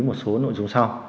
một số nội dung sau